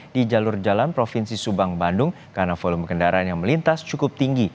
di jalur jalan provinsi subang bandung karena volume kendaraan yang melintas cukup tinggi